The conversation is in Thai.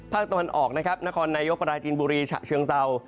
ตะวันออกนะครับนครนายกปราจีนบุรีฉะเชิงเศร้า